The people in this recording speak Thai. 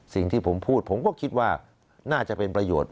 สิ่งที่ผมพูดผมก็คิดว่าน่าจะเป็นประโยชน์